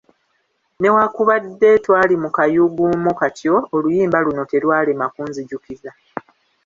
Newakubadde twali mu kayuuguumo katyo, oluyimba luno terwalema kunzijukiza.